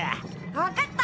わかった！